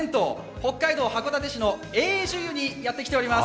北海道・函館市の永寿湯にやってきております。